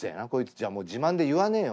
じゃあもう自慢で言わねえよ